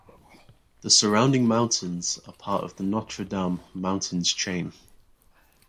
The surrounding mountains are part of the Notre Dame Mountains chain.